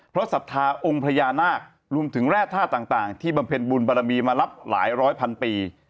เพราะศรัทธาองค์พญานาครวมถึงแร่ธาตุต่างที่บำเพ็ญบุญบารมีมารับหลายร้อยพันปี